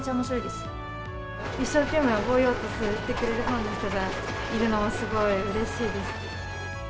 一生懸命覚えようとしてくれるファンの人がいるのも、すごいうれしいです。